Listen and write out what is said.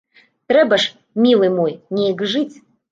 Трэба ж, мілы мой, неяк жыць!